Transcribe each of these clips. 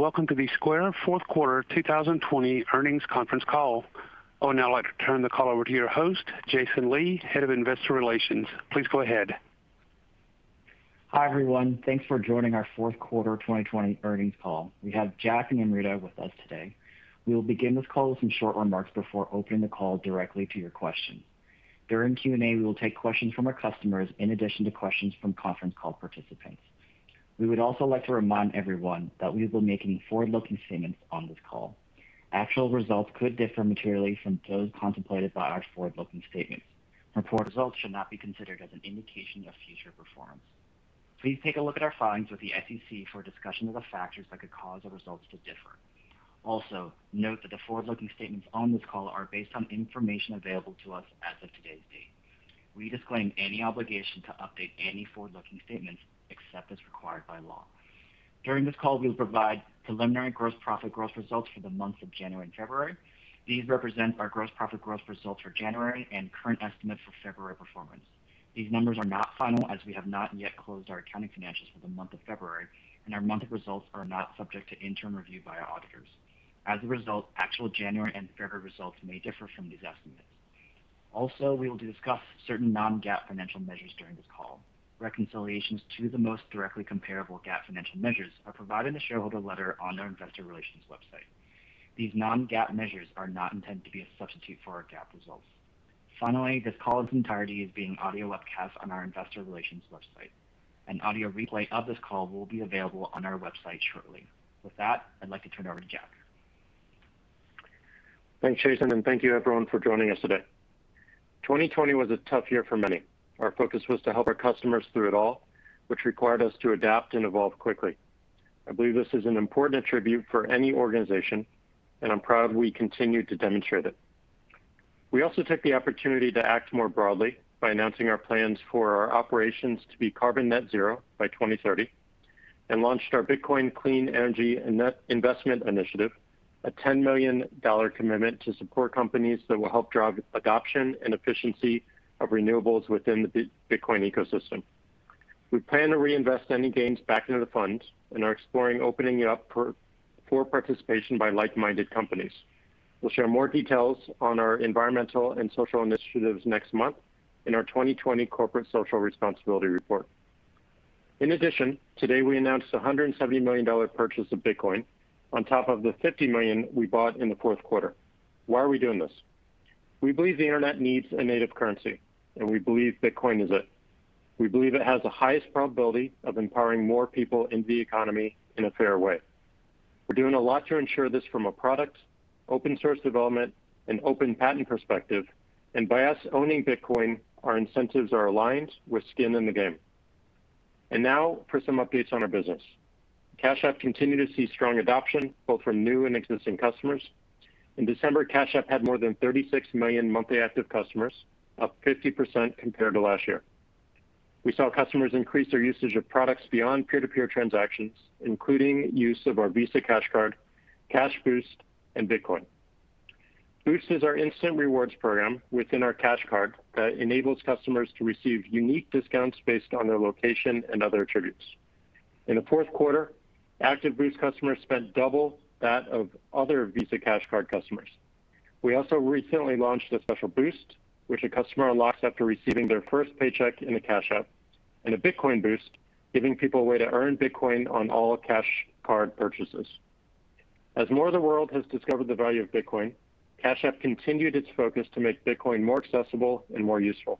Welcome to the Square Fourth Quarter 2020 Earnings Conference Call. I would now like to turn the call over to your host, Jason Lee, Head of Investor Relations. Please go ahead. Hi, everyone. Thanks for joining our fourth quarter 2020 earnings call. We have Jack and Amrita with us today. We will begin this call with some short remarks before opening the call directly to your questions. During Q&A, we will take questions from our customers in addition to questions from conference call participants. We would also like to remind everyone that we will be making forward-looking statements on this call. Actual results could differ materially from those contemplated by our forward-looking statements, and forward results should not be considered as an indication of future performance. Please take a look at our filings with the SEC for a discussion of the factors that could cause our results to differ. Note that the forward-looking statements on this call are based on information available to us as of today's date. We disclaim any obligation to update any forward-looking statements except as required by law. During this call, we'll provide preliminary gross profit growth results for the months of January and February. These represent our gross profit growth results for January and current estimates for February performance. These numbers are not final, as we have not yet closed our accounting financials for the month of February, and our monthly results are not subject to interim review by our auditors. As a result, actual January and February results may differ from these estimates. Also, we will discuss certain non-GAAP financial measures during this call. Reconciliations to the most directly comparable GAAP financial measures are provided in the shareholder letter on our investor relations website. These non-GAAP measures are not intended to be a substitute for our GAAP results. Finally, this call in its entirety is being audio webcast on our investor relations website. An audio replay of this call will be available on our website shortly. With that, I'd like to turn it over to Jack. Thanks, Jason, and thank you everyone for joining us today. 2020 was a tough year for many. Our focus was to help our customers through it all, which required us to adapt and evolve quickly. I believe this is an important attribute for any organization, and I'm proud we continued to demonstrate it. We also took the opportunity to act more broadly by announcing our plans for our operations to be carbon net zero by 2030 and launched our Bitcoin Clean Energy Investment Initiative, a $10 million commitment to support companies that will help drive adoption and efficiency of renewables within the Bitcoin ecosystem. We plan to reinvest any gains back into the fund and are exploring opening it up for participation by like-minded companies. We'll share more details on our environmental and social initiatives next month in our 2020 corporate social responsibility report. Today, we announced a $170 million purchase of Bitcoin on top of the $50 million we bought in the fourth quarter. Why are we doing this? We believe the internet needs a native currency. We believe Bitcoin is it. We believe it has the highest probability of empowering more people in the economy in a fair way. We're doing a lot to ensure this from a product, open source development, and open patent perspective. By us owning Bitcoin, our incentives are aligned with skin in the game. Now, for some updates on our business. Cash App continued to see strong adoption, both from new and existing customers. In December, Cash App had more than 36 million monthly active customers, up 50% compared to last year. We saw customers increase their usage of products beyond peer-to-peer transactions, including use of our Visa Cash Card, Cash Boost, and Bitcoin. Boost is our instant rewards program within our Cash Card that enables customers to receive unique discounts based on their location and other attributes. In the fourth quarter, active Boost customers spent double that of other Visa Cash Card customers. We also recently launched a special Boost which a customer unlocks after receiving their first paycheck in a Cash App, and a Bitcoin Boost, giving people a way to earn Bitcoin on all Cash Card purchases. As more of the world has discovered the value of Bitcoin, Cash App continued its focus to make Bitcoin more accessible and more useful.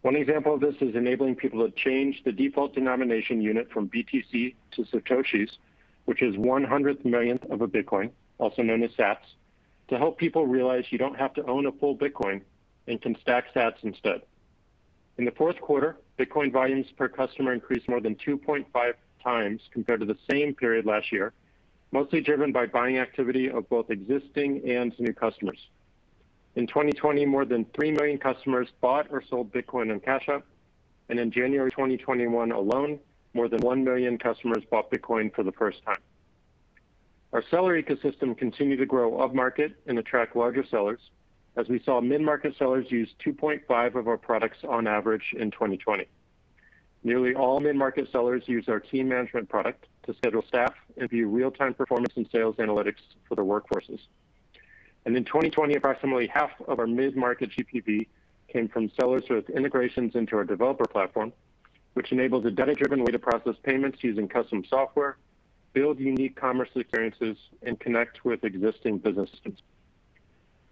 One example of this is enabling people to change the default denomination unit from BTC to Satoshis, which is 100 millionth of a Bitcoin, also known as sats, to help people realize you don't have to own a full Bitcoin and can stack sats instead. In the fourth quarter, Bitcoin volumes per customer increased more than 2.5x compared to the same period last year, mostly driven by buying activity of both existing and new customers. In 2020, more than 3 million customers bought or sold Bitcoin on Cash App, and in January 2021 alone, more than 1 million customers bought Bitcoin for the first time. Our seller ecosystem continued to grow upmarket and attract larger sellers, as we saw mid-market sellers use 2.5 of our products on average in 2020. Nearly all mid-market sellers used our team management product to schedule staff and view real-time performance and sales analytics for their workforces. In 2020, approximately half of our mid-market GPV came from sellers with integrations into our developer platform, which enables a data-driven way to process payments using custom software, build unique commerce experiences, and connect with existing business systems.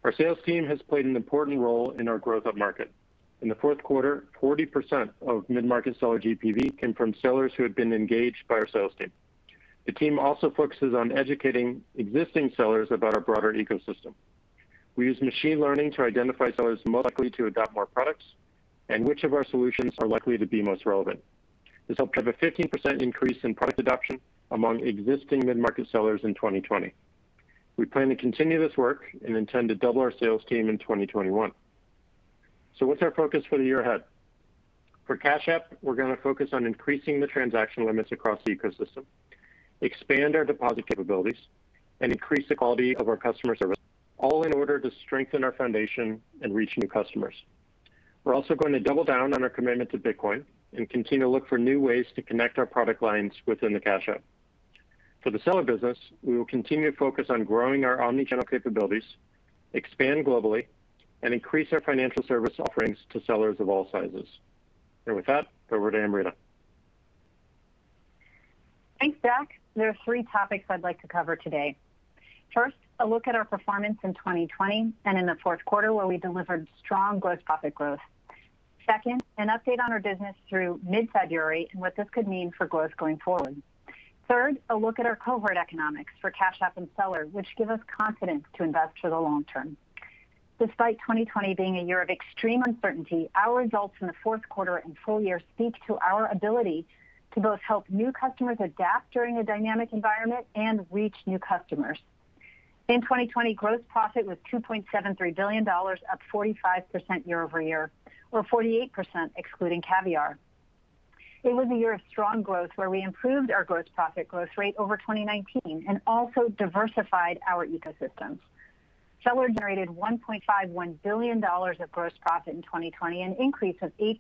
Our sales team has played an important role in our growth upmarket. In the fourth quarter, 40% of mid-market seller GPV came from sellers who had been engaged by our sales team. The team also focuses on educating existing sellers about our broader ecosystem. We use machine learning to identify sellers most likely to adopt more products and which of our solutions are likely to be most relevant. This helped drive a 15% increase in product adoption among existing mid-market sellers in 2020. We plan to continue this work and intend to double our sales team in 2021. What's our focus for the year ahead? For Cash App, we're going to focus on increasing the transaction limits across the ecosystem, expand our deposit capabilities, and increase the quality of our customer service, all in order to strengthen our foundation and reach new customers. We're also going to double down on our commitment to Bitcoin and continue to look for new ways to connect our product lines within the Cash App. For the seller business, we will continue to focus on growing our omnichannel capabilities, expand globally, and increase our financial service offerings to sellers of all sizes. With that, over to Amrita. Thanks, Jack. There are three topics I'd like to cover today. First, a look at our performance in 2020 and in the fourth quarter, where we delivered strong gross profit growth. Second, an update on our business through mid-February and what this could mean for growth going forward. Third, a look at our cohort economics for Cash App and seller, which give us confidence to invest for the long term. Despite 2020 being a year of extreme uncertainty, our results in the fourth quarter and full year speak to our ability to both help new customers adapt during a dynamic environment and reach new customers. In 2020, gross profit was $2.73 billion, up 45% year-over-year, or 48% excluding Caviar. It was a year of strong growth where we improved our gross profit growth rate over 2019 and also diversified our ecosystem. Seller generated $1.51 billion of gross profit in 2020, an increase of 8%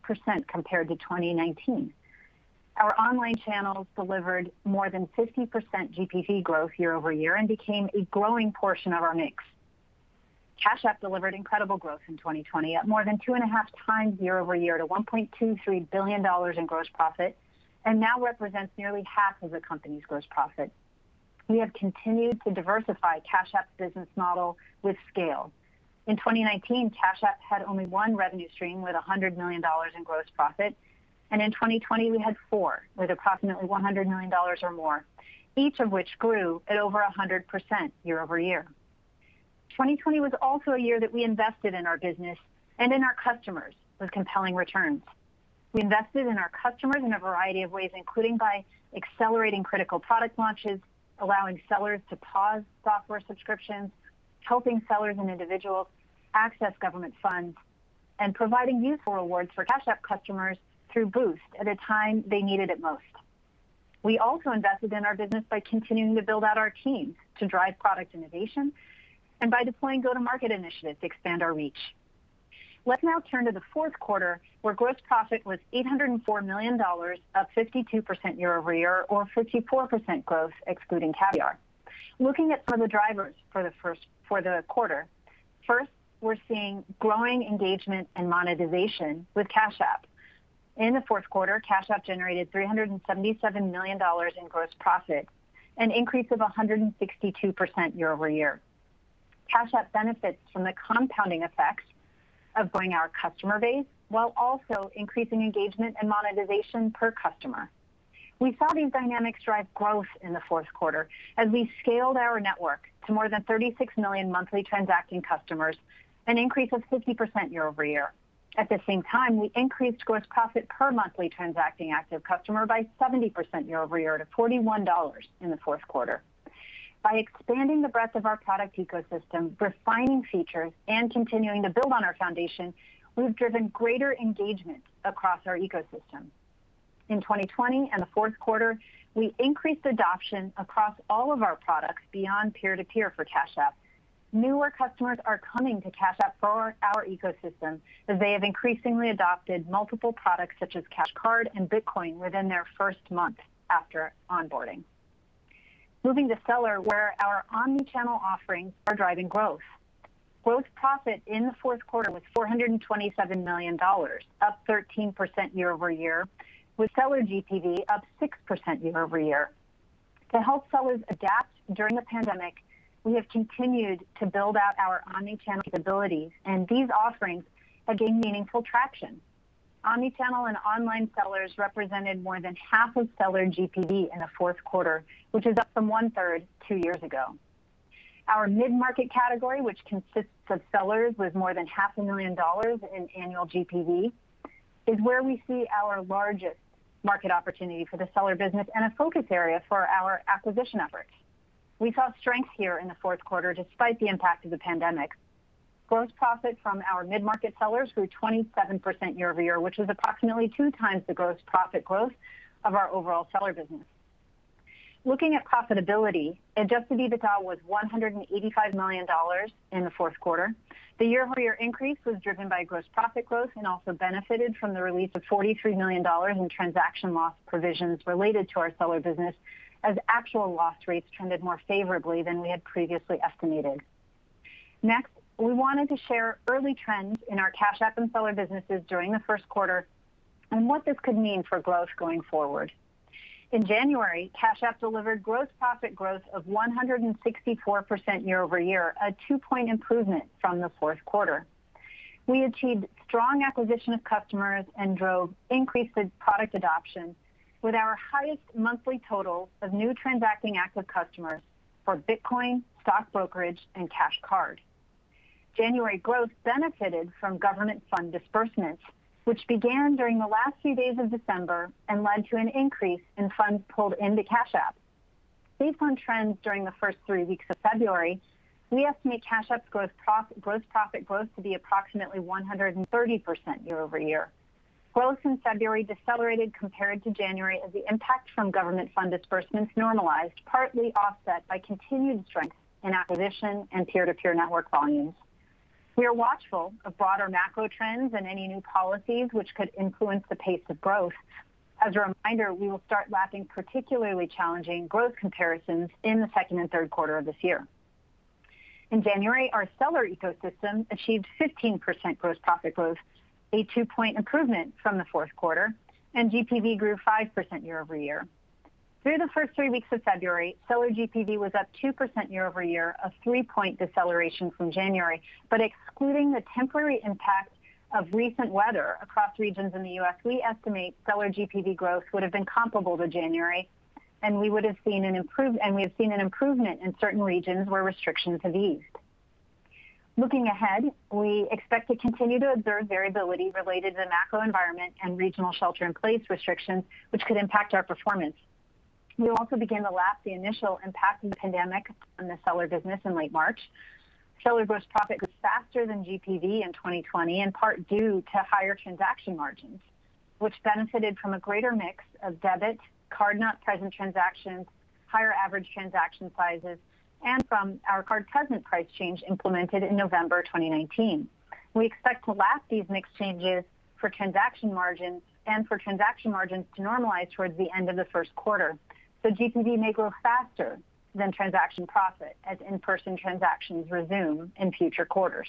compared to 2019. Our online channels delivered more than 50% GPV growth year-over-year and became a growing portion of our mix. Cash App delivered incredible growth in 2020, up more than 2.5x Year-over-year to $1.23 billion in gross profit, and now represents nearly half of the company's gross profit. We have continued to diversify Cash App's business model with scale. In 2019, Cash App had only one revenue stream with $100 million in gross profit, and in 2020, we had four with approximately $100 million or more, each of which grew at over 100% year-over-year. 2020 was also a year that we invested in our business and in our customers with compelling returns. We invested in our customers in a variety of ways, including by accelerating critical product launches, allowing sellers to pause software subscriptions, helping sellers and individuals access government funds, and providing useful rewards for Cash App customers through Boost at a time they needed it most. We also invested in our business by continuing to build out our team to drive product innovation and by deploying go-to-market initiatives to expand our reach. Let's now turn to the fourth quarter, where gross profit was $804 million, up 52% year-over-year or 54% growth excluding Caviar. Looking at some of the drivers for the quarter. First, we're seeing growing engagement and monetization with Cash App. In the fourth quarter, Cash App generated $377 million in gross profit, an increase of 162% year-over-year. Cash App benefits from the compounding effects of growing our customer base while also increasing engagement and monetization per customer. We saw these dynamics drive growth in the fourth quarter as we scaled our network to more than 36 million monthly transacting customers, an increase of 50% year-over-year. At the same time, we increased gross profit per monthly transacting active customer by 70% year-over-year to $41 in the fourth quarter. By expanding the breadth of our product ecosystem, refining features, and continuing to build on our foundation, we've driven greater engagement across our ecosystem. In 2020 and the fourth quarter, we increased adoption across all of our products beyond peer-to-peer for Cash App. Newer customers are coming to Cash App for our ecosystem as they have increasingly adopted multiple products such as Cash Card and Bitcoin within their first month after onboarding. Moving to Seller, where our omnichannel offerings are driving growth. Gross profit in the fourth quarter was $427 million, up 13% year-over-year with Seller GPV up 6% year-over-year. To help sellers adapt during the pandemic, we have continued to build out our omnichannel capabilities, these offerings have gained meaningful traction. Omnichannel and online sellers represented more than half of Seller GPV in the fourth quarter, which is up from 1/3 two years ago. Our mid-market category, which consists of sellers with more than half a million dollars in annual GPV, is where we see our largest market opportunity for the Seller business and a focus area for our acquisition efforts. We saw strength here in the fourth quarter despite the impact of the pandemic. Gross profit from our mid-market sellers grew 27% year-over-year, which is approximately 2x the gross profit growth of our overall seller business. Looking at profitability, adjusted EBITDA was $185 million in the fourth quarter. The year-over-year increase was driven by gross profit growth and also benefited from the release of $43 million in transaction loss provisions related to our seller business as actual loss rates trended more favorably than we had previously estimated. We wanted to share early trends in our Cash App and seller businesses during the first quarter and what this could mean for growth going forward. In January, Cash App delivered gross profit growth of 164% year-over-year, a two-point improvement from the fourth quarter. We achieved strong acquisition of customers and drove increased product adoption with our highest monthly total of new transacting active customers for Bitcoin, stock brokerage, and Cash Card. January growth benefited from government fund disbursements, which began during the last few days of December and led to an increase in funds pulled into Cash App. Based on trends during the first three weeks of February, we estimate Cash App's gross profit growth to be approximately 130% year-over-year. Growth in February decelerated compared to January as the impact from government fund disbursements normalized, partly offset by continued strength in acquisition and peer-to-peer network volumes. We are watchful of broader macro trends and any new policies which could influence the pace of growth. As a reminder, we will start lapping particularly challenging growth comparisons in the second and third quarter of this year. In January, our seller ecosystem achieved 15% gross profit growth, a two-point improvement from the fourth quarter, and GPV grew 5% year-over-year. Through the first three weeks of February, seller GPV was up 2% year-over-year, a three-point deceleration from January. Excluding the temporary impact of recent weather across regions in the U.S., we estimate seller GPV growth would have been comparable to January, and we have seen an improvement in certain regions where restrictions have eased. Looking ahead, we expect to continue to observe variability related to the macro environment and regional shelter-in-place restrictions, which could impact our performance. We will also begin to lap the initial impact of the pandemic on the seller business in late March. Seller gross profit grew faster than GPV in 2020, in part due to higher transaction margins, which benefited from a greater mix of debit, card-not-present transactions, higher average transaction sizes, and from our card-present price change implemented in November 2019. We expect to lap these mix changes for transaction margins and for transaction margins to normalize towards the end of the first quarter, so GPV may grow faster than transaction profit as in-person transactions resume in future quarters.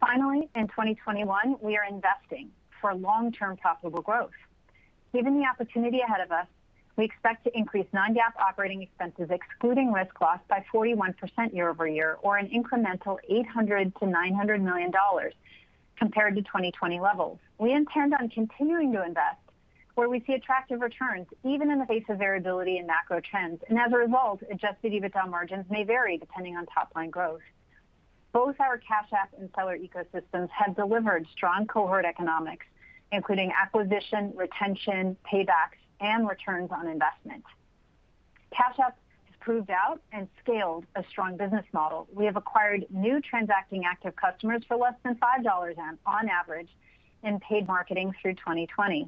Finally, in 2021, we are investing for long-term profitable growth. Given the opportunity ahead of us, we expect to increase non-GAAP operating expenses, excluding risk loss, by 41% year-over-year, or an incremental $800 million-$900 million compared to 2020 levels. We intend on continuing to invest where we see attractive returns, even in the face of variability in macro trends. As a result, adjusted EBITDA margins may vary depending on top-line growth. Both our Cash App and seller ecosystems have delivered strong cohort economics, including acquisition, retention, paybacks, and returns on investment. Cash App has proved out and scaled a strong business model. We have acquired new transacting active customers for less than $5 on average in paid marketing through 2020.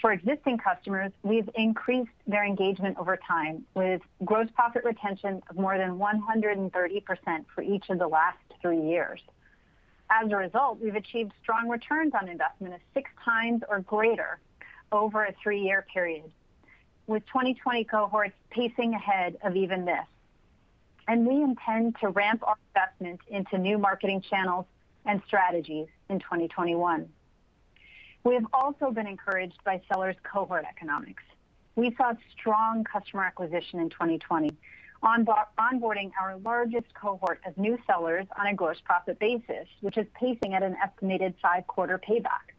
For existing customers, we've increased their engagement over time with gross profit retention of more than 130% for each of the last three years. As a result, we've achieved strong returns on investment of 6x or greater over a three-year period, with 2020 cohorts pacing ahead of even this. We intend to ramp our investment into new marketing channels and strategies in 2021. We have also been encouraged by sellers' cohort economics. We saw strong customer acquisition in 2020, onboarding our largest cohort of new sellers on a gross profit basis, which is pacing at an estimated five-quarter payback.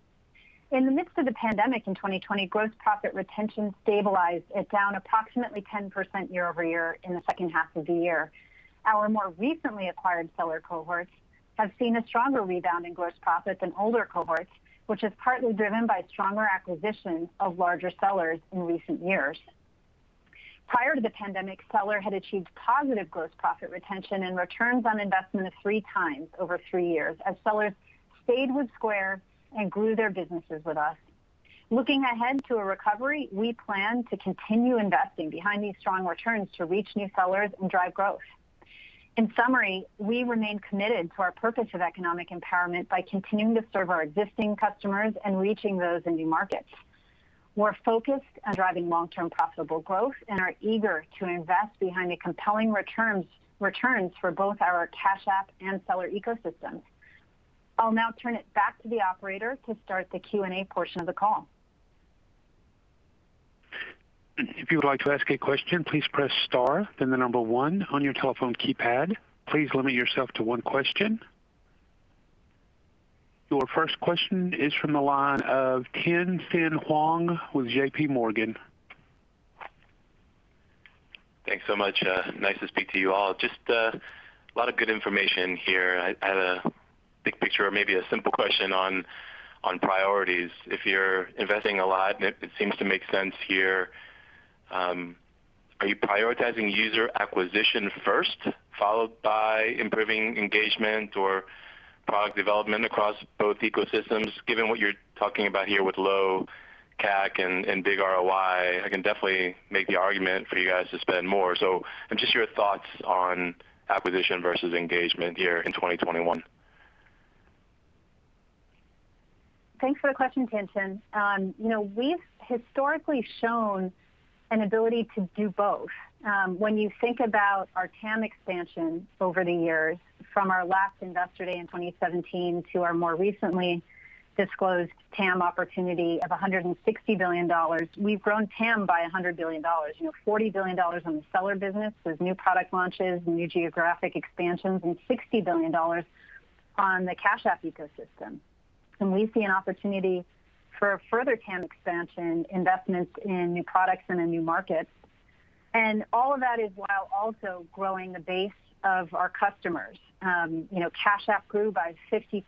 In the midst of the pandemic in 2020, gross profit retention stabilized at down approximately 10% year-over-year in the second half of the year. Our more recently acquired seller cohorts have seen a stronger rebound in gross profit than older cohorts, which is partly driven by stronger acquisition of larger sellers in recent years. Prior to the pandemic, seller had achieved positive gross profit retention and returns on investment of 3x over three years as sellers stayed with Square and grew their businesses with us. Looking ahead to a recovery, we plan to continue investing behind these strong returns to reach new sellers and drive growth. In summary, we remain committed to our purpose of economic empowerment by continuing to serve our existing customers and reaching those in new markets. We're focused on driving long-term profitable growth and are eager to invest behind the compelling returns for both our Cash App and seller ecosystems. I'll now turn it back to the operator to start the Q&A portion of the call. If you would like to ask a question, please press star, then the number one on your telephone keypad. Please limit yourself to one question. Your first question is from the line of Tien-Tsin Huang with JPMorgan. Thanks so much. Nice to speak to you all. Just a lot of good information here. I had a big picture or maybe a simple question on priorities. If you're investing a lot, and it seems to make sense here, are you prioritizing user acquisition first, followed by improving engagement or product development across both ecosystems? Given what you're talking about here with low CAC and big ROI, I can definitely make the argument for you guys to spend more. Just your thoughts on acquisition versus engagement here in 2021. Thanks for the question, Tien-Tsin. We've historically shown an ability to do both. When you think about our TAM expansion over the years, from our last Investor Day in 2017 to our more recently disclosed TAM opportunity of $160 billion, we've grown TAM by $100 billion. $40 billion on the seller business with new product launches and new geographic expansions, and $60 billion on the Cash App ecosystem. We see an opportunity for further TAM expansion investments in new products and in new markets. All of that is while also growing the base of our customers. Cash App grew by 50%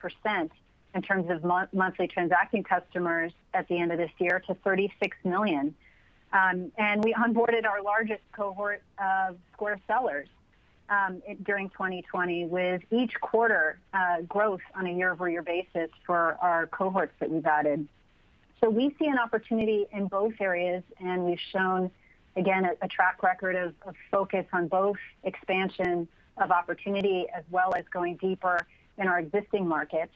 in terms of monthly transacting customers at the end of this year to 36 million. We onboarded our largest cohort of Square sellers during 2020, with each quarter growth on a year-over-year basis for our cohorts that we've added. We see an opportunity in both areas, and we've shown, again, a track record of focus on both expansion of opportunity as well as going deeper in our existing markets.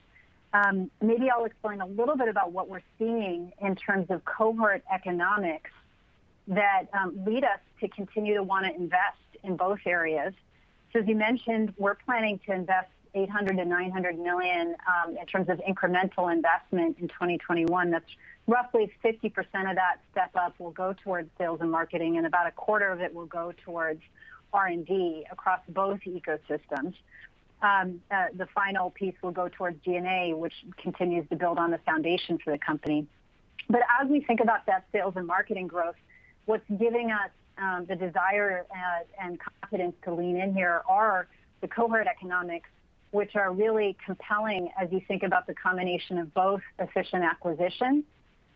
Maybe I'll explain a little bit about what we're seeing in terms of cohort economics that lead us to continue to want to invest in both areas. As you mentioned, we're planning to invest $800 million-$900 million in terms of incremental investment in 2021. That's roughly 50% of that step up will go towards sales and marketing, and about a quarter of it will go towards R&D across both ecosystems. The final piece will go towards G&A, which continues to build on the foundation for the company. As we think about that sales and marketing growth, what's giving us the desire and confidence to lean in here are the cohort economics, which are really compelling as you think about the combination of both efficient acquisition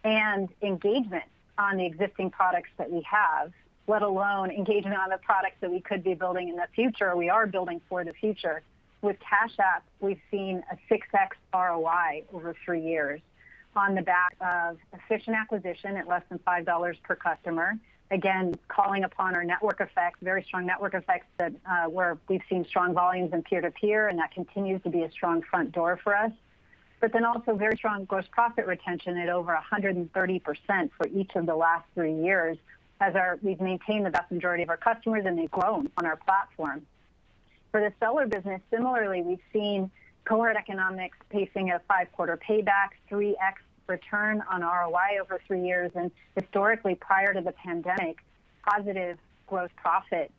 and engagement on the existing products that we have, let alone engagement on the products that we could be building in the future or we are building for the future. With Cash App, we've seen a 6x ROI over three years on the back of efficient acquisition at less than $5 per customer. Calling upon our network effect, very strong network effects where we've seen strong volumes in peer-to-peer, and that continues to be a strong front door for us. Also very strong gross profit retention at over 130% for each of the last three years, as we've maintained the vast majority of our customers, and they've grown on our platform. For the seller business, similarly, we've seen cohort economics pacing a 5-quarter payback, 3x return on ROI over three years, and historically, prior to the pandemic, positive gross profit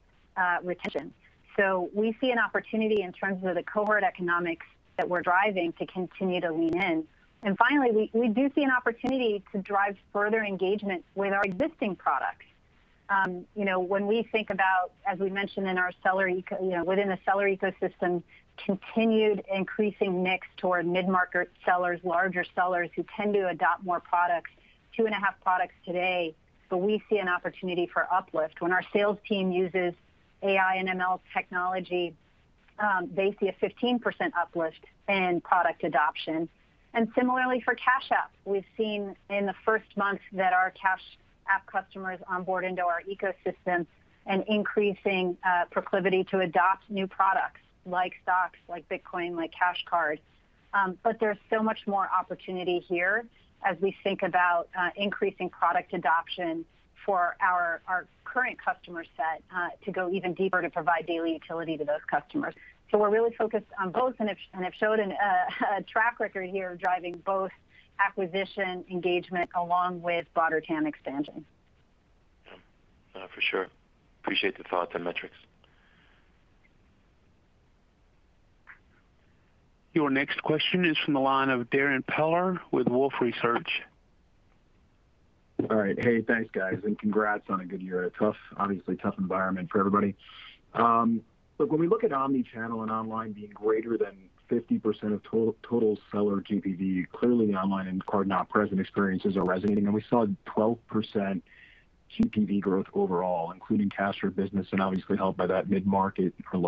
retention. We see an opportunity in terms of the cohort economics that we're driving to continue to lean in. Finally, we do see an opportunity to drive further engagement with our existing products. When we think about, as we mentioned within the seller ecosystem, continued increasing mix toward mid-market sellers, larger sellers who tend to adopt more products, 2.5 products today. We see an opportunity for uplift. When our sales team uses AI and ML technology, they see a 15% uplift in product adoption. Similarly, for Cash App, we've seen in the first month that our Cash App customers onboard into our ecosystems an increasing proclivity to adopt new products like stocks, like Bitcoin, like Cash Card. There's so much more opportunity here as we think about increasing product adoption for our current customer set to go even deeper to provide daily utility to those customers. We're really focused on both and have showed a track record here driving both acquisition engagement along with broader TAM expansion. Yeah. For sure. Appreciate the thoughts and metrics. Your next question is from the line of Darrin Peller with Wolfe Research. All right. Hey, thanks, guys, and congrats on a good year. Obviously a tough environment for everybody. Look, when we look at omni-channel and online being greater than 50% of total seller GPV, clearly online and card-not-present experiences are resonating, and we saw 12% GPV growth overall, including Cash App business and obviously helped by that mid-market or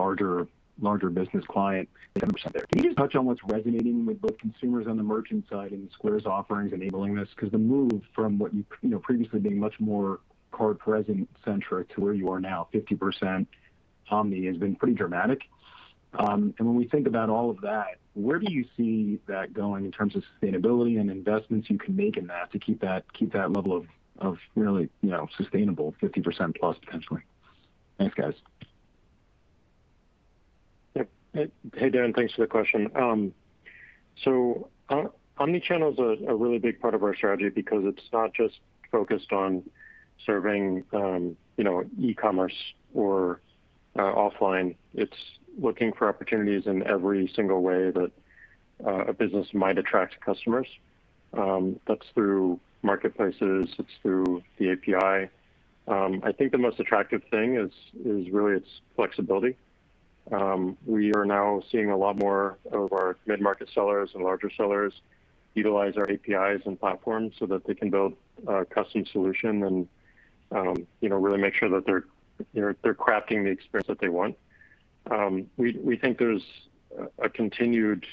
larger business client there. Can you just touch on what's resonating with both consumers on the merchant side and Square's offerings enabling this? The move from what you previously being much more card present centric to where you are now, 50% omni, has been pretty dramatic. When we think about all of that, where do you see that going in terms of sustainability and investments you can make in that to keep that level of really sustainable, 50%+ potentially? Thanks, guys. Yep. Hey, Darrin. Thanks for the question. Omnichannel is a really big part of our strategy because it's not just focused on serving e-commerce or offline. It's looking for opportunities in every single way that a business might attract customers. That's through marketplaces. It's through the API. I think the most attractive thing is really its flexibility. We are now seeing a lot more of our mid-market sellers and larger sellers utilize our APIs and platforms so that they can build a custom solution and really make sure that they're crafting the experience that they want. We think there's a continued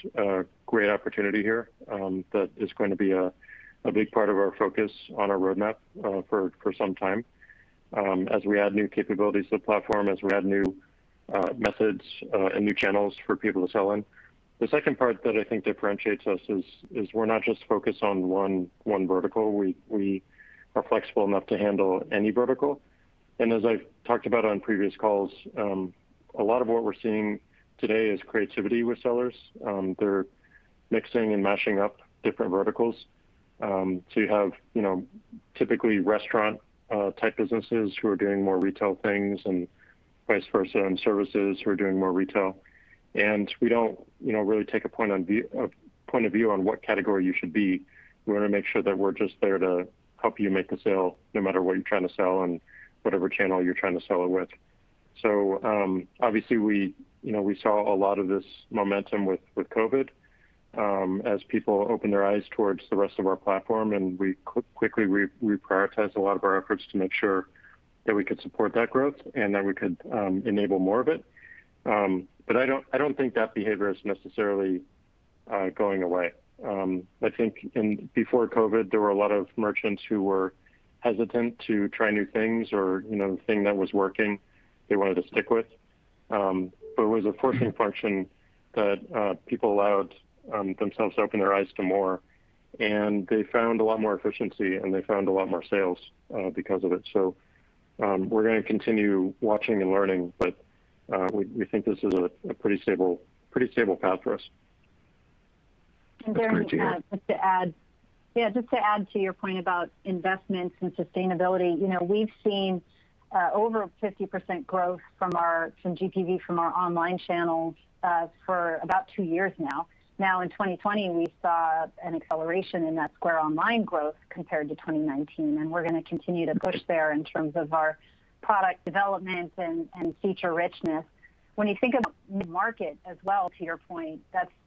great opportunity here that is going to be a big part of our focus on our roadmap for some time as we add new capabilities to the platform, as we add new methods and new channels for people to sell in. The second part that I think differentiates us is we're not just focused on one vertical. We are flexible enough to handle any vertical. As I've talked about on previous calls, a lot of what we're seeing today is creativity with sellers. They're mixing and mashing up different verticals. You have typically restaurant-type businesses who are doing more retail things and vice versa, and services who are doing more retail. We don't really take a point of view on what category you should be. We want to make sure that we're just there to help you make a sale no matter what you're trying to sell on whatever channel you're trying to sell it with. Obviously we saw a lot of this momentum with COVID. As people open their eyes towards the rest of our platform, and we quickly reprioritize a lot of our efforts to make sure that we could support that growth and that we could enable more of it. I don't think that behavior is necessarily going away. I think before COVID, there were a lot of merchants who were hesitant to try new things, or the thing that was working, they wanted to stick with. It was a forcing function that people allowed themselves to open their eyes to more, and they found a lot more efficiency, and they found a lot more sales because of it. We're going to continue watching and learning, but we think this is a pretty stable path for us. Darrin, just to add to your point about investments and sustainability. We've seen over 50% growth from GPV from our online channels for about two years now. In 2020, we saw an acceleration in that Square Online growth compared to 2019, and we're going to continue to push there in terms of our product development and feature richness. When you think about mid-market as well, to your point,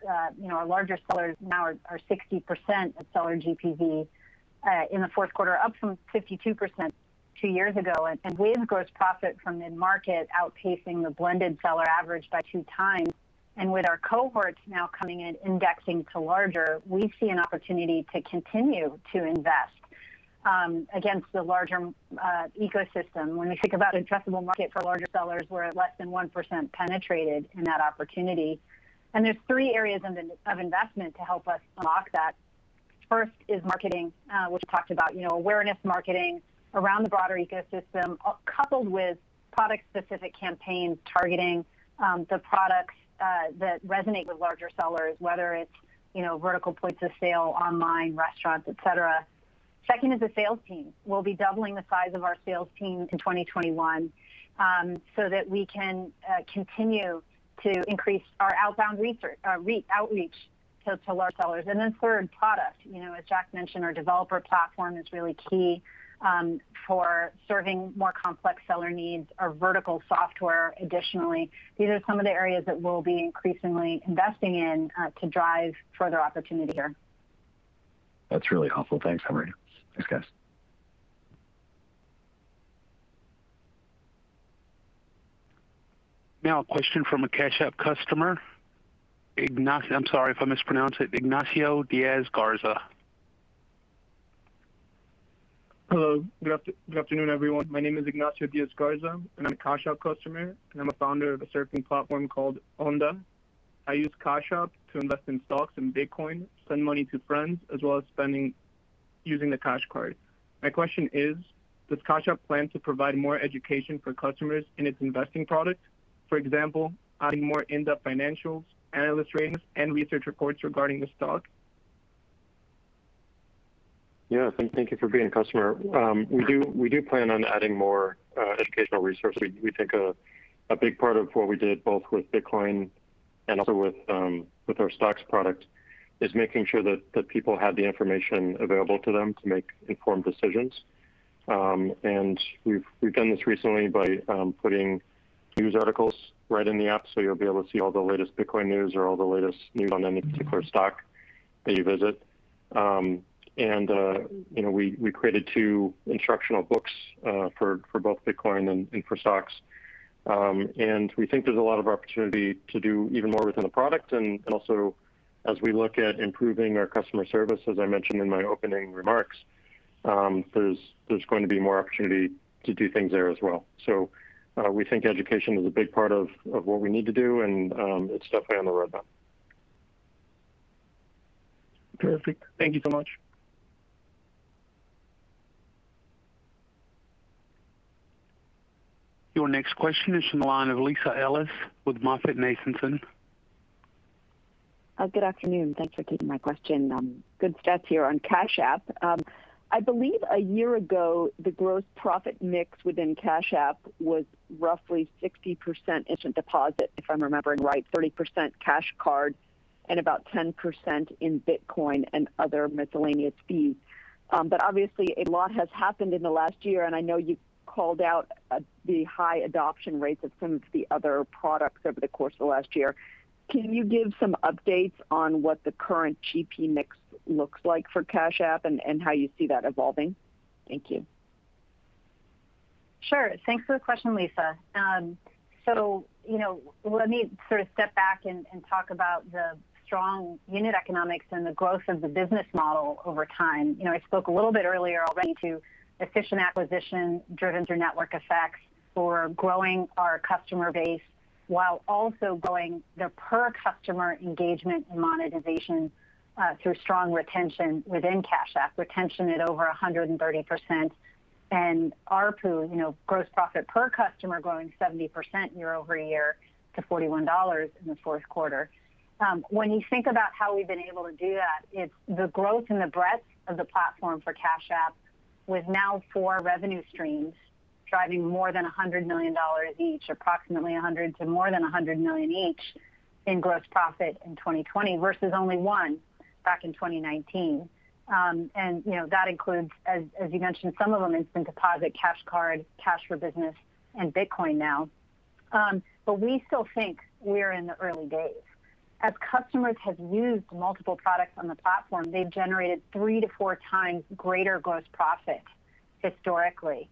our larger sellers now are 60% of seller GPV in the fourth quarter, up from 52% two years ago, and with gross profit from mid-market outpacing the blended seller average by 2x. With our cohorts now coming in indexing to larger, we see an opportunity to continue to invest against the larger ecosystem. When we think about addressable market for larger sellers, we're at less than 1% penetrated in that opportunity. There's three areas of investment to help us unlock that. First is marketing, which we talked about, awareness marketing around the broader ecosystem, coupled with product-specific campaigns targeting the products that resonate with larger sellers, whether it's vertical points of sale, online, restaurants, et cetera. Second is the sales team. We'll be doubling the size of our sales team in 2021 so that we can continue to increase our outbound outreach to large sellers. Third, product. As Jack mentioned, our developer platform is really key for serving more complex seller needs, our vertical software additionally. These are some of the areas that we'll be increasingly investing in to drive further opportunity here. That's really helpful. Thanks, Amrita. Thanks, guys. A question from a Cash App customer. Ignacio, I'm sorry if I mispronounce it, Ignacio Diaz-Garza. Hello. Good afternoon, everyone. My name is Ignacio Diaz-Garza, and I'm a Cash App customer, and I'm a founder of a surfing platform called Onda. I use Cash App to invest in stocks and Bitcoin, send money to friends, as well as spending using the Cash Card. My question is, does Cash App plan to provide more education for customers in its investing product? For example, adding more in-depth financials, analyst ratings, and research reports regarding the stock? Yeah, thank you for being a customer. We do plan on adding more educational resources. We think a big part of what we did, both with Bitcoin and also with our stocks product, is making sure that people have the information available to them to make informed decisions. We've done this recently by putting news articles right in the app, so you'll be able to see all the latest Bitcoin news or all the latest news on any particular stock that you visit. We created two instructional books for both Bitcoin and for stocks. We think there's a lot of opportunity to do even more within the product, and also as we look at improving our customer service, as I mentioned in my opening remarks, there's going to be more opportunity to do things there as well. We think education is a big part of what we need to do, and it's definitely on the roadmap. Terrific. Thank you so much. Your next question is from the line of Lisa Ellis with MoffettNathanson. Good afternoon. Thanks for taking my question. Good stuff here on Cash App. I believe a year ago, the gross profit mix within Cash App was roughly 60% Instant Deposit, if I'm remembering right, 30% Cash Card, and about 10% in Bitcoin and other miscellaneous fees. Obviously, a lot has happened in the last year, and I know you called out the high adoption rates of some of the other products over the course of last year. Can you give some updates on what the current GP mix looks like for Cash App and how you see that evolving? Thank you. Sure. Thanks for the question, Lisa. Let me sort of step back and talk about the strong unit economics and the growth of the business model over time. I spoke a little bit earlier already to efficient acquisition driven through network effects for growing our customer base, while also growing the per-customer engagement and monetization through strong retention within Cash App. Retention at over 130%, and ARPU, gross profit per customer, growing 70% year-over-year to $41 in the fourth quarter. When you think about how we've been able to do that, it's the growth and the breadth of the platform for Cash App, with now four revenue streams driving more than $100 million each, approximately $100 million to more than $100 million each in gross profit in 2020, versus only one back in 2019. That includes, as you mentioned, some of them Instant Deposit, Cash Card, Cash for Business, and Bitcoin now. We still think we're in the early days. As customers have used multiple products on the platform, they've generated 3x-4x greater gross profit historically.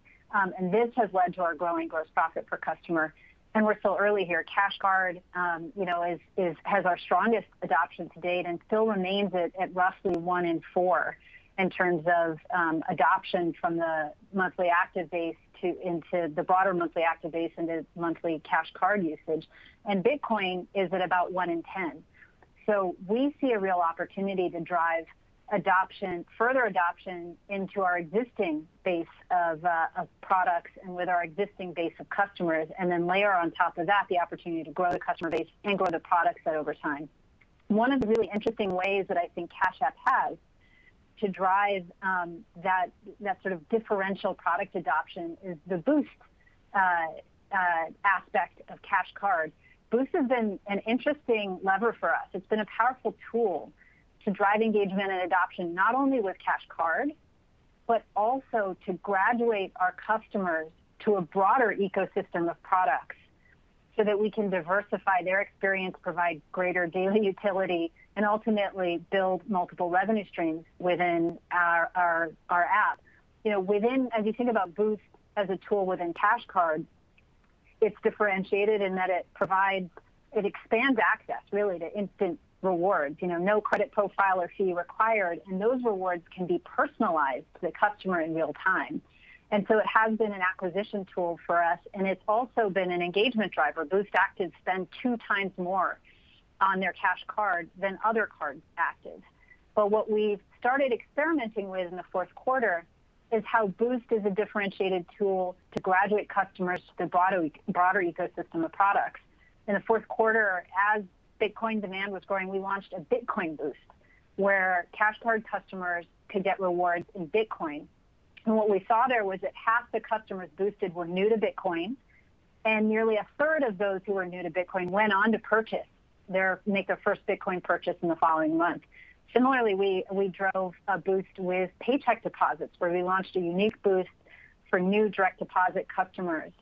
This has led to our growing gross profit per customer, and we're still early here. Cash Card has our strongest adoption to date and still remains at roughly one in four in terms of adoption from the monthly active base into the broader monthly active base into monthly Cash Card usage. Bitcoin is at about one in 10. We see a real opportunity to drive further adoption into our existing base of products and with our existing base of customers, and then layer on top of that the opportunity to grow the customer base and grow the product set over time. One of the really interesting ways that I think Cash App has to drive that sort of differential product adoption is the Boost aspect of Cash Card. Boost has been an interesting lever for us. It's been a powerful tool to drive engagement and adoption, not only with Cash Card, but also to graduate our customers to a broader ecosystem of products so that we can diversify their experience, provide greater daily utility, and ultimately build multiple revenue streams within our app. As you think about Boost as a tool within Cash Card, it's differentiated in that it expands access really to instant rewards. No credit profile or fee required, those rewards can be personalized to the customer in real time. It has been an acquisition tool for us, and it's also been an engagement driver. Boost actives spend 2x more on their Cash Card than other card actives. What we've started experimenting with in the fourth quarter is how Boost is a differentiated tool to graduate customers to the broader ecosystem of products. In the fourth quarter, as Bitcoin demand was growing, we launched a Bitcoin Boost, where Cash Card customers could get rewards in Bitcoin. What we saw there was that half the customers boosted were new to Bitcoin, and nearly a third of those who were new to Bitcoin went on to make their first Bitcoin purchase in the following month. Similarly, we drove a Boost with paycheck deposits where we launched a unique Boost for new direct deposit customers.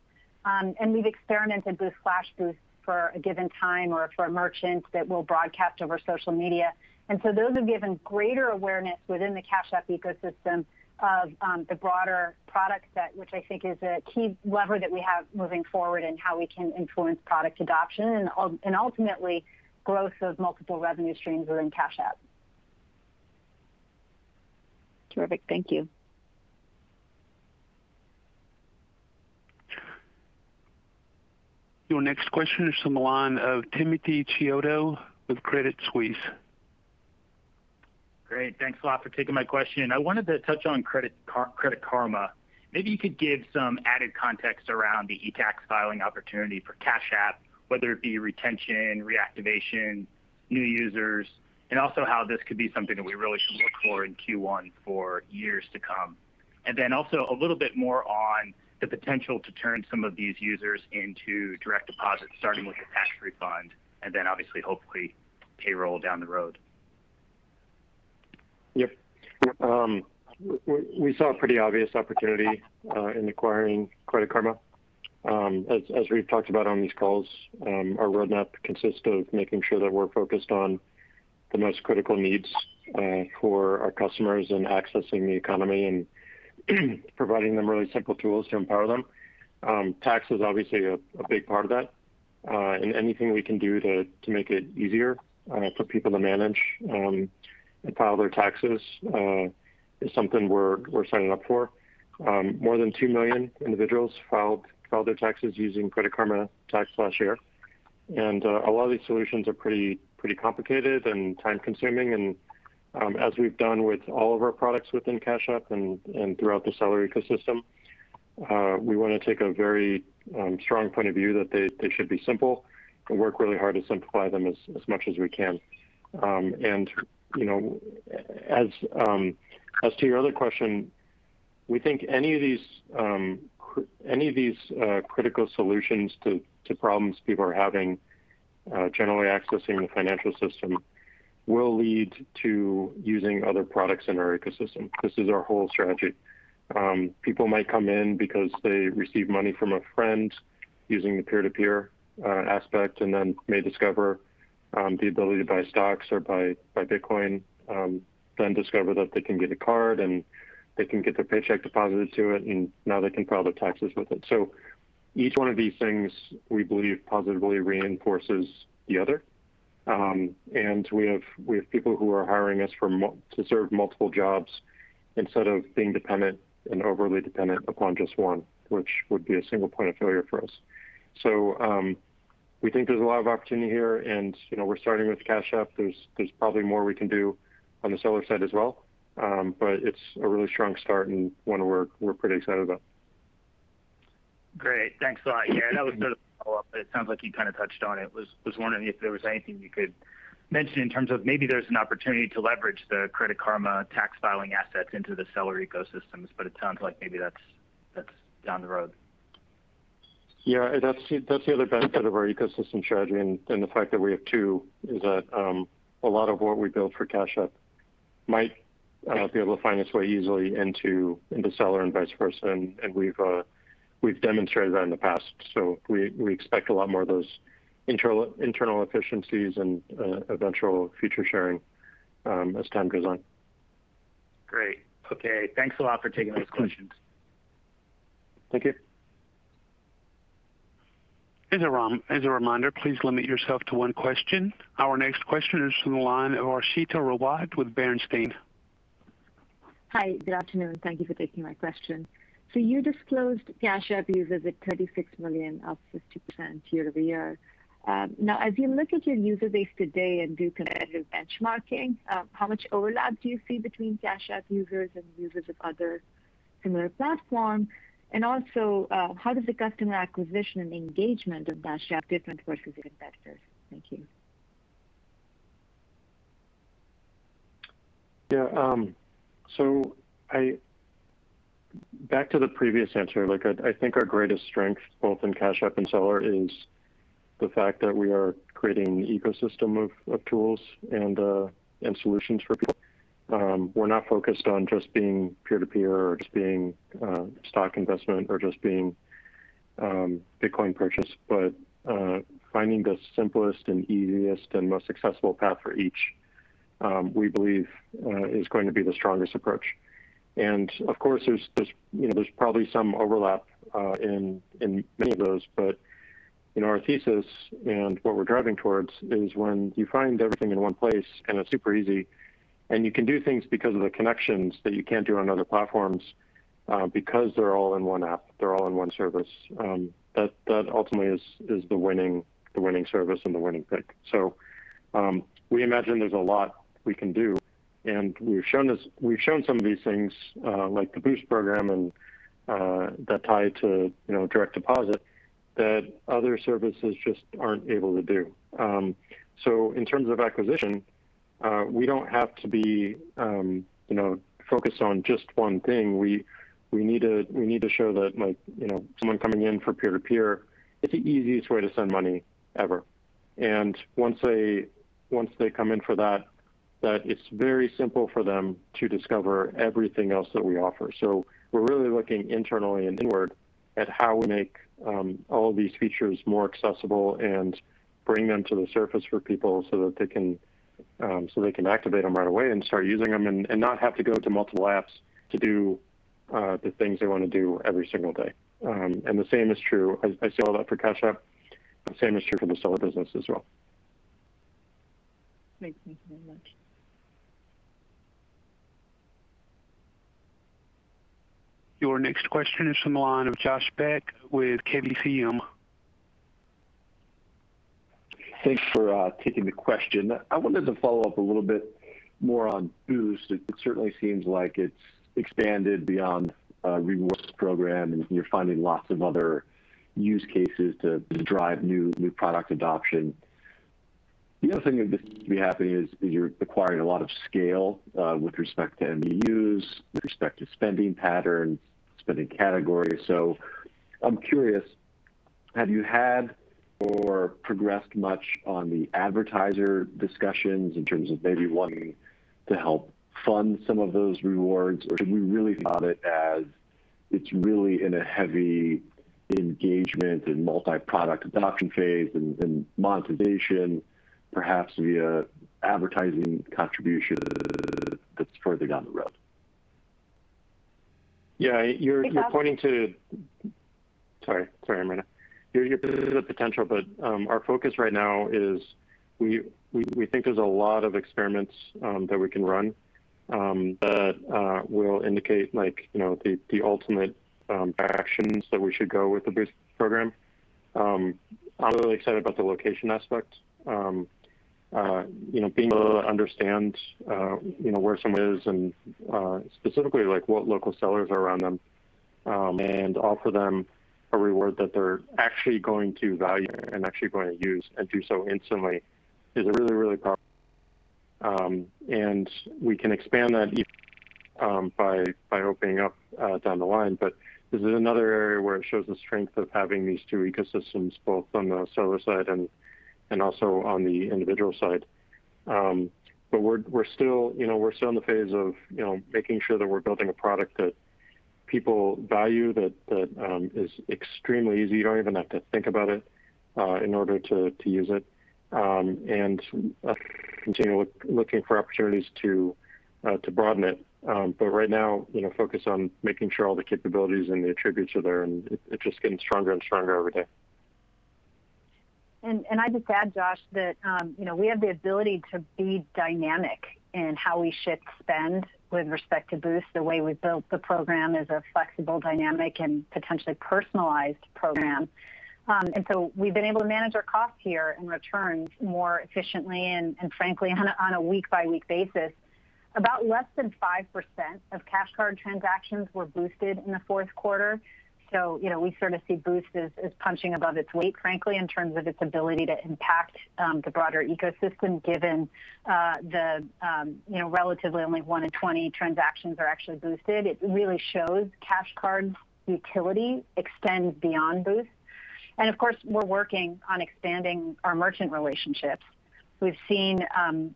We've experimented with flash Boost for a given time or for merchants that we'll broadcast over social media. Those have given greater awareness within the Cash App ecosystem of the broader product set, which I think is a key lever that we have moving forward in how we can influence product adoption, and ultimately growth of multiple revenue streams within Cash App. Terrific. Thank you. Your next question is from the line of Timothy Chiodo with Credit Suisse. Great. Thanks a lot for taking my question. I wanted to touch on Credit Karma. Maybe you could give some added context around the e-tax filing opportunity for Cash App, whether it be retention, reactivation, new users, and also how this could be something that we really should look for in Q1 for years to come. And then also a little bit more on the potential to turn some of these users into direct deposits, starting with the tax refund, and then obviously, hopefully, payroll down the road. Yep. We saw a pretty obvious opportunity in acquiring Credit Karma. As we've talked about on these calls, our roadmap consists of making sure that we're focused on the most critical needs for our customers in accessing the economy and providing them really simple tools to empower them. Tax is obviously a big part of that, and anything we can do to make it easier for people to manage and file their taxes is something we're signing up for. More than 2 million individuals filed their taxes using Credit Karma Tax last year. A lot of these solutions are pretty complicated and time-consuming, and as we've done with all of our products within Cash App and throughout the Seller ecosystem, we want to take a very strong point of view that they should be simple, and work really hard to simplify them as much as we can. As to your other question, we think any of these critical solutions to problems people are having generally accessing the financial system will lead to using other products in our ecosystem. This is our whole strategy. People might come in because they receive money from a friend using the peer-to-peer aspect and then may discover the ability to buy stocks or buy Bitcoin, then discover that they can get a card, and they can get their paycheck deposited to it, and now they can file their taxes with it. Each one of these things, we believe positively reinforces the other. We have people who are hiring us to serve multiple jobs instead of being dependent and overly dependent upon just one, which would be a single point of failure for us. We think there's a lot of opportunity here, and we're starting with Cash App. There's probably more we can do on the Seller side as well. It's a really strong start and one we're pretty excited about. Great. Thanks a lot. Yeah, that was sort of a follow-up, but it sounds like you kind of touched on it. I was wondering if there was anything you could mention in terms of maybe there's an opportunity to leverage the Credit Karma tax filing assets into the Seller ecosystems, but it sounds like maybe that's down the road. Yeah. That's the other benefit of our ecosystem strategy and the fact that we have two, is that a lot of what we build for Cash App might be able to find its way easily into Seller and vice versa. We've demonstrated that in the past. We expect a lot more of those internal efficiencies and eventual feature sharing as time goes on. Great. Okay. Thanks a lot for taking those questions. Thank you. As a reminder, please limit yourself to one question. Our next question is from the line of Harshita Rawat with Bernstein. Hi. Good afternoon. Thank you for taking my question. You disclosed Cash App users at 36 million, up 50% year-over-year. Now, as you look at your user base today and do competitive benchmarking, how much overlap do you see between Cash App users and users of other similar platforms? Also, how does the customer acquisition and engagement of Cash App differ versus your competitors? Thank you. Yeah. Back to the previous answer, I think our greatest strength, both in Cash App and Seller, is the fact that we are creating an ecosystem of tools and solutions for people. We're not focused on just being peer-to-peer or just being stock investment or just being Bitcoin purchase, but finding the simplest and easiest and most accessible path for each, we believe, is going to be the strongest approach. Of course, there's probably some overlap in many of those. Our thesis and what we're driving towards is when you find everything in one place and it's super easy, and you can do things because of the connections that you can't do on other platforms because they're all in one app, they're all in one service. That ultimately is the winning service and the winning pick. We imagine there's a lot we can do, and we've shown some of these things, like the Boost program that tie to direct deposit, that other services just aren't able to do. In terms of acquisition, we don't have to be focused on just one thing. We need to show that someone coming in for peer-to-peer, it's the easiest way to send money ever. Once they come in for that it's very simple for them to discover everything else that we offer. We're really looking internally and inward at how we make all of these features more accessible and bring them to the surface for people so that they can activate them right away and start using them and not have to go to multiple apps to do the things they want to do every single day. The same is true, I say all that for Cash App, the same is true for the Seller business as well. Thank you very much. Your next question is from the line of Josh Beck with KeyBanc Capital Markets. Thanks for taking the question. I wanted to follow up a little bit more on Boost. It certainly seems like it's expanded beyond a rewards program, and you're finding lots of other use cases to drive new product adoption. The other thing that seems to be happening is you're acquiring a lot of scale with respect to MAUs, with respect to spending patterns, spending categories. I'm curious, have you had or progressed much on the advertiser discussions in terms of maybe wanting to help fund some of those rewards? Or should we really think about it as it's really in a heavy engagement and multi-product adoption phase and monetization perhaps via advertising contribution that's further down the road? Sorry, Amrita. You're pointing to the potential, but our focus right now is we think there's a lot of experiments that we can run that will indicate the ultimate directions that we should go with the Boost program. I'm really excited about the location aspect. Being able to understand where someone is and specifically what local sellers are around them, and offer them a reward that they're actually going to value and actually going to use and do so instantly is a really powerful, and we can expand that even by opening up down the line. This is another area where it shows the strength of having these two ecosystems, both on the seller side and also on the individual side. We're still in the phase of making sure that we're building a product that people value, that is extremely easy. You don't even have to think about it in order to use it. Continue looking for opportunities to broaden it. Right now, focus on making sure all the capabilities and the attributes are there. It's just getting stronger and stronger every day. I'd just add, Josh, that we have the ability to be dynamic in how we shift spend with respect to Boost. The way we built the program is a flexible, dynamic, and potentially personalized program. We've been able to manage our cost here and return more efficiently and frankly, on a week-by-week basis. About less than 5% of Cash Card transactions were boosted in the fourth quarter. We sort of see Boost as punching above its weight, frankly, in terms of its ability to impact the broader ecosystem, given the relatively only one in 20 transactions are actually boosted. It really shows Cash Card's utility extends beyond Boost. Of course, we're working on expanding our merchant relationships. We've seen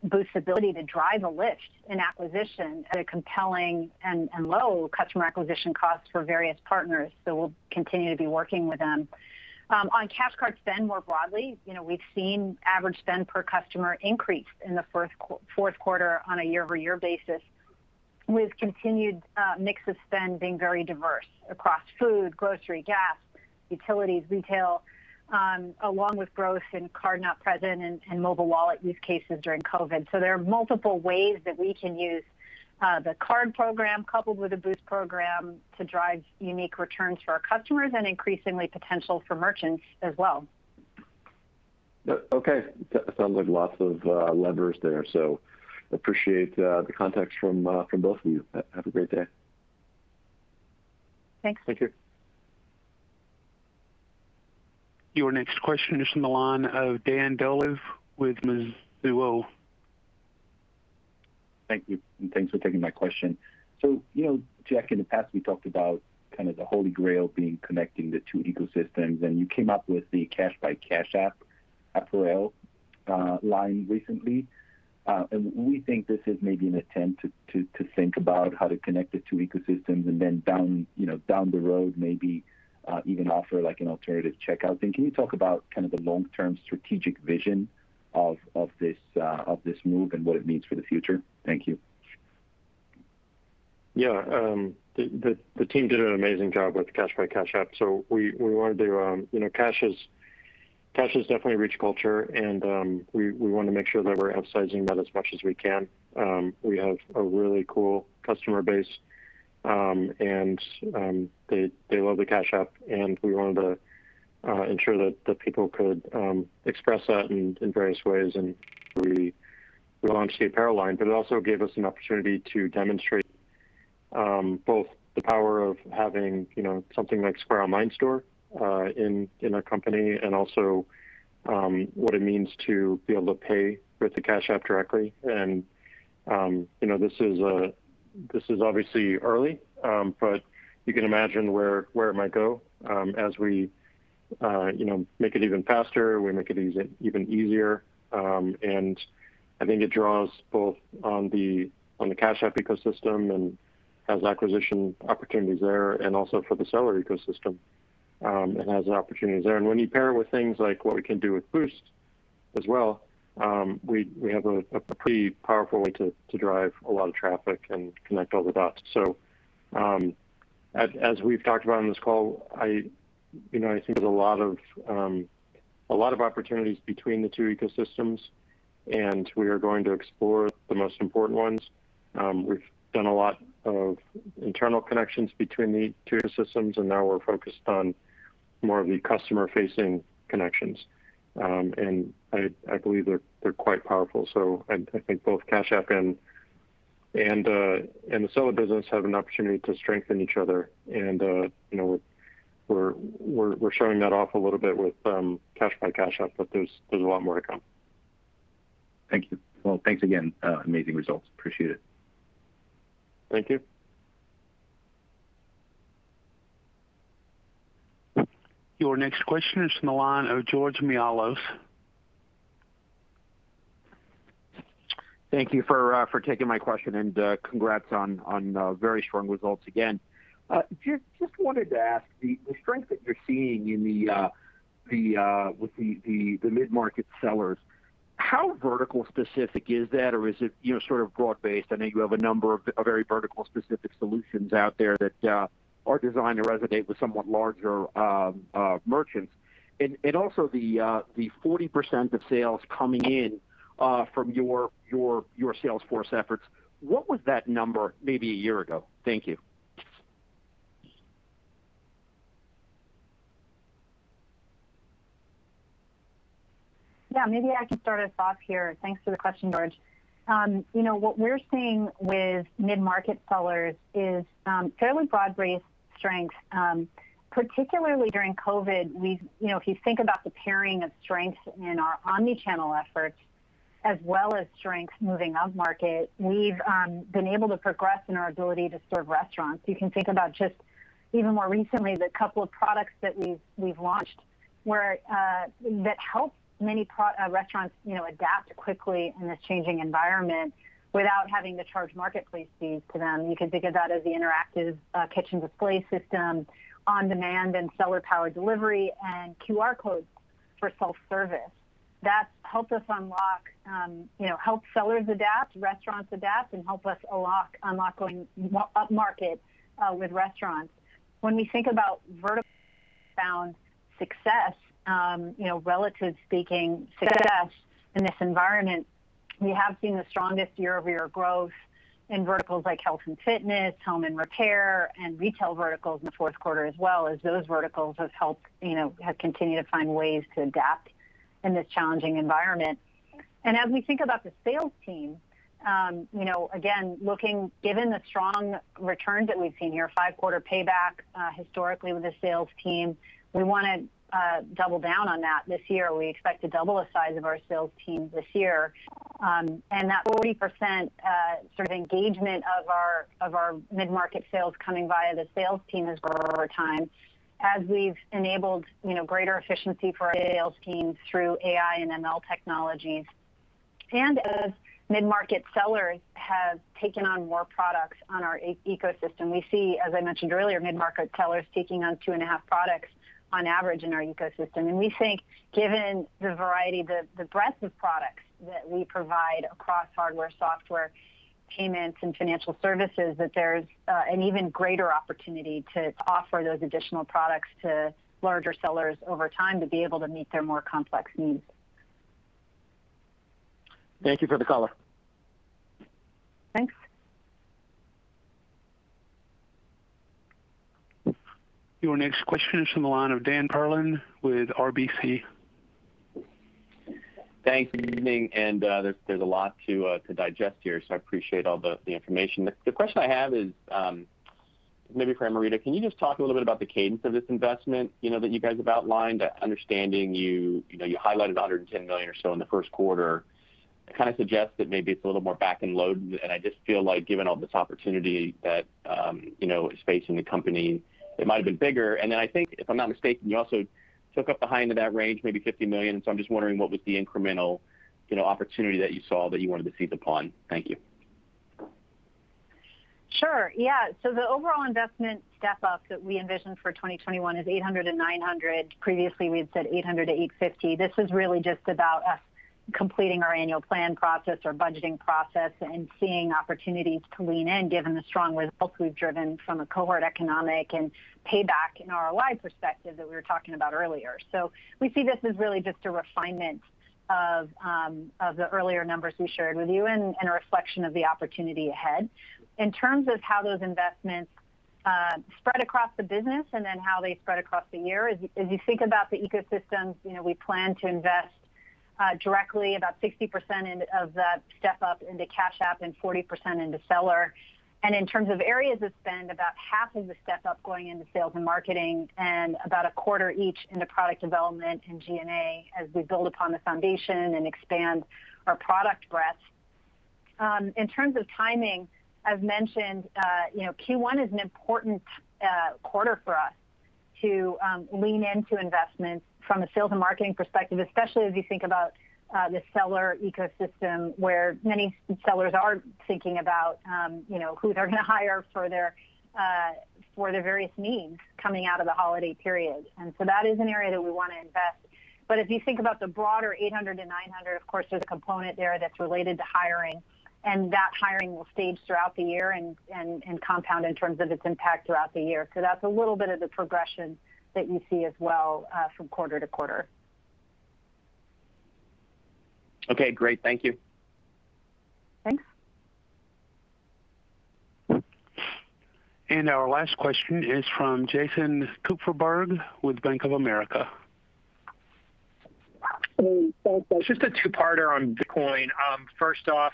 Boost's ability to drive a lift in acquisition at a compelling and low customer acquisition cost for various partners, so we'll continue to be working with them. On Cash Card spend more broadly, we've seen average spend per customer increase in the fourth quarter on a year-over-year basis, with continued mix of spend being very diverse across food, grocery, gas, utilities, retail, along with growth in card-not-present and mobile wallet use cases during COVID. There are multiple ways that we can use the Card program coupled with the Boost program to drive unique returns for our customers and increasingly potential for merchants as well. Okay. Sounds like lots of levers there, so appreciate the context from both of you. Have a great day. Thanks. Thank you. Your next question is from the line of Dan Dolev with Mizuho. Thank you. Thanks for taking my question. Jack, in the past, we talked about kind of the Holy Grail being connecting the two ecosystems, and you came up with the Cash by Cash App apparel line recently. We think this is maybe an attempt to think about how to connect the two ecosystems and then down the road, maybe even offer an alternative checkout thing. Can you talk about the long-term strategic vision of this move and what it means for the future? Thank you. The team did an amazing job with Cash by Cash App. Cash is definitely a rich culture, and we want to make sure that we're upsizing that as much as we can. We have a really cool customer base, and they love the Cash App, and we wanted to ensure that the people could express that in various ways, and we launched the apparel line. It also gave us an opportunity to demonstrate both the power of having something like Square Online store in our company and also what it means to be able to pay with the Cash App directly. This is obviously early, but you can imagine where it might go as we make it even faster, we make it even easier. I think it draws both on the Cash App ecosystem and has acquisition opportunities there, and also for the seller ecosystem. It has opportunities there. When you pair it with things like what we can do with Boost as well, we have a pretty powerful way to drive a lot of traffic and connect all the dots. As we've talked about on this call, I think there's a lot of opportunities between the two ecosystems, we are going to explore the most important ones. We've done a lot of internal connections between the two ecosystems, now we're focused on more of the customer-facing connections. I believe they're quite powerful. I think both Cash App and the seller business have an opportunity to strengthen each other. We're showing that off a little bit with Cash by Cash App, but there's a lot more to come. Thank you. Well, thanks again. Amazing results. Appreciate it. Thank you. Your next question is from the line of George Mihalos. Thank you for taking my question. Congrats on very strong results again. Just wanted to ask, the strength that you're seeing with the mid-market sellers, how vertical specific is that, or is it sort of broad based? I know you have a number of very vertical specific solutions out there that are designed to resonate with somewhat larger merchants. Also the 40% of sales coming in from your sales force efforts, what was that number maybe one year ago? Thank you. Yeah, maybe I can start us off here. Thanks for the question, George. What we're seeing with mid-market sellers is fairly broad-based strength. Particularly during COVID, if you think about the pairing of strengths in our omni-channel efforts as well as strengths moving up market, we've been able to progress in our ability to serve restaurants. You can think about just even more recently, the couple of products that we've launched that help many restaurants adapt quickly in this changing environment without having to charge marketplace fees to them. You can think of that as the interactive kitchen display system, on-demand and seller-powered delivery, and QR codes for self-service. That's helped sellers adapt, restaurants adapt, and helped us a lot unlock going up market with restaurants. When we think about vertical success, relative speaking, success in this environment, we have seen the strongest year-over-year growth in verticals like health and fitness, home and repair, and retail verticals in the fourth quarter as well, as those verticals have continued to find ways to adapt in this challenging environment. As we think about the sales team, again, given the strong returns that we've seen here, five-quarter payback historically with the sales team, we want to double down on that this year. We expect to double the size of our sales team this year. That 40% sort of engagement of our mid-market sales coming via the sales team has grown over time. As we've enabled greater efficiency for our sales team through AI and ML technologies. As mid-market sellers have taken on more products on our ecosystem, we see, as I mentioned earlier, mid-market sellers taking on two and a half products on average in our ecosystem. We think given the variety, the breadth of products that we provide across hardware, software, payments, and financial services, that there's an even greater opportunity to offer those additional products to larger sellers over time to be able to meet their more complex needs. Thank you for the color. Thanks. Your next question is from the line of Dan Perlin with RBC. Thanks. Good evening, there's a lot to digest here, so I appreciate all the information. The question I have is maybe for Amrita. Can you just talk a little bit about the cadence of this investment that you guys have outlined? Understanding you highlighted $110 million or so in the first quarter, it kind of suggests that maybe it's a little more back-end load. I just feel like given all this opportunity that is facing the company, it might've been bigger. Then I think, if I'm not mistaken, you also took up the high end of that range, maybe $50 million. I'm just wondering what was the incremental opportunity that you saw that you wanted to seize upon. Thank you. Sure. Yeah. The overall investment step-up that we envisioned for 2021 is $800-$900. Previously, we had said $800-$850. This is really just about us completing our annual plan process or budgeting process and seeing opportunities to lean in given the strong results we've driven from a cohort economic and payback in ROI perspective that we were talking about earlier. We see this as really just a refinement of the earlier numbers we shared with you and a reflection of the opportunity ahead. In terms of how those investments spread across the business and then how they spread across the year is, as you think about the ecosystems, we plan to invest directly about 60% of that step-up into Cash App and 40% into seller. In terms of areas of spend, about half of the step-up going into sales and marketing and about a quarter each into product development and G&A as we build upon the foundation and expand our product breadth. In terms of timing, I've mentioned Q1 is an important quarter for us to lean into investments from a sales and marketing perspective, especially as you think about the seller ecosystem, where many sellers are thinking about who they're going to hire for their various needs coming out of the holiday period. That is an area that we want to invest. If you think about the broader $800-$900, of course, there's a component there that's related to hiring, and that hiring will stage throughout the year and compound in terms of its impact throughout the year. That's a little bit of the progression that you see as well from quarter to quarter. Okay, great. Thank you. Thanks. Our last question is from Jason Kupferberg with Bank of America. It's just a two-parter on Bitcoin. First off,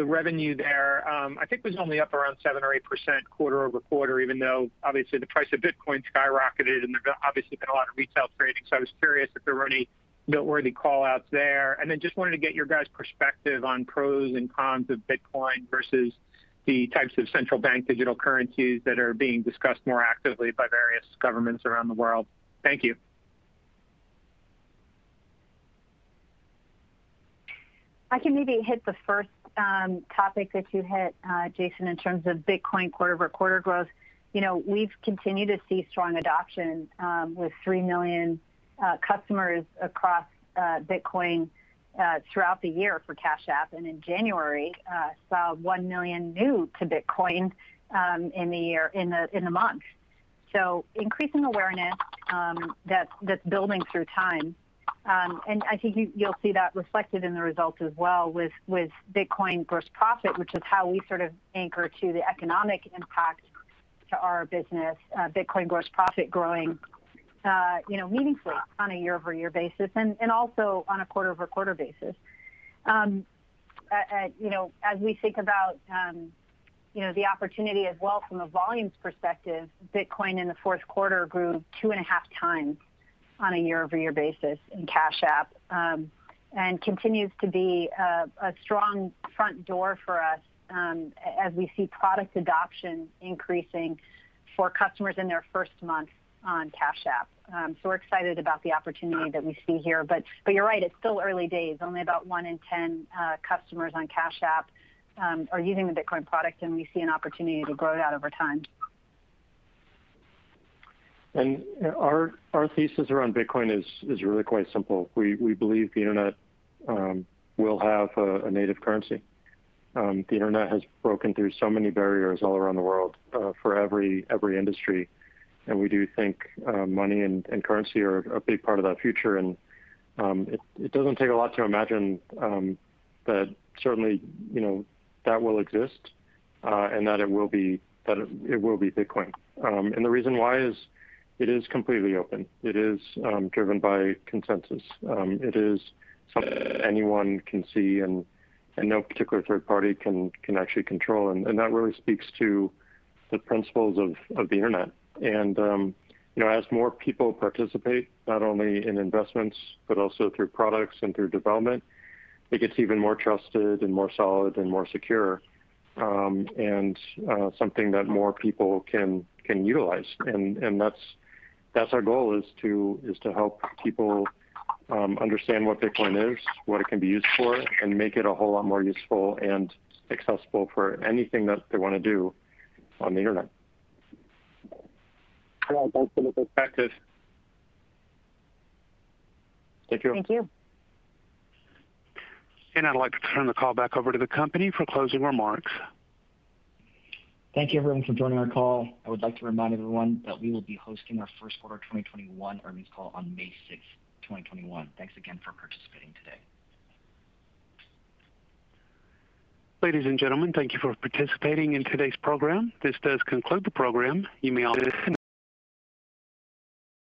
the revenue there, I think was only up around 7% or 8% quarter-over-quarter, even though obviously the price of Bitcoin skyrocketed and there's obviously been a lot of retail trading. I was curious if there were any noteworthy call-outs there. Just wanted to get your guys' perspective on pros and cons of Bitcoin versus the types of central bank digital currencies that are being discussed more actively by various governments around the world. Thank you. I can maybe hit the first topic that you hit, Jason, in terms of Bitcoin quarter-over-quarter growth. We've continued to see strong adoption with 3 million customers across Bitcoin throughout the year for Cash App, and in January, saw 1 million new to Bitcoin in the month. Increasing awareness that's building through time. I think you'll see that reflected in the results as well with Bitcoin gross profit, which is how we sort of anchor to the economic impact to our business, Bitcoin gross profit growing meaningfully on a year-over-year basis and also on a quarter-over-quarter basis. As we think about the opportunity as well from a volumes perspective, Bitcoin in the fourth quarter grew 2.5x on a year-over-year basis in Cash App. Continues to be a strong front door for us as we see product adoption increasing for customers in their first month on Cash App. We're excited about the opportunity that we see here, but you're right. It's still early days. Only about one in 10 customers on Cash App are using the Bitcoin product, and we see an opportunity to grow that over time. Our thesis around Bitcoin is really quite simple. We believe the internet will have a native currency. The internet has broken through so many barriers all around the world for every industry, and we do think money and currency are a big part of that future. It doesn't take a lot to imagine that certainly that will exist, and that it will be Bitcoin. The reason why is it is completely open. It is driven by consensus. It is something anyone can see and no particular third party can actually control. That really speaks to the principles of the internet. As more people participate, not only in investments, but also through products and through development, it gets even more trusted and more solid and more secure, and something that more people can utilize. That's our goal is to help people understand what Bitcoin is, what it can be used for, and make it a whole lot more useful and accessible for anything that they want to do on the internet. Yeah. Thanks for the perspective. Thank you. Thank you. I'd like to turn the call back over to the company for closing remarks. Thank you everyone for joining our call. I would like to remind everyone that we will be hosting our First Quarter 2021 Earnings Call on May 6th, 2021. Thanks again for participating today. Ladies and gentlemen, thank you for participating in today's program. This does conclude the program. You may all disconnect.